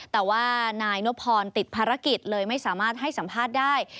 แต่ว่านายนพรติดภารกิจเลยไม่สามารถให้สัมภาษณ์ได้